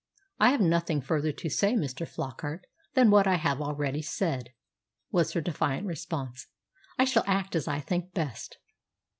"I have nothing further to say, Mr. Flockart, than what I have already said," was her defiant response. "I shall act as I think best."